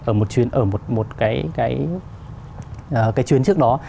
ở một cái chuyến trước đó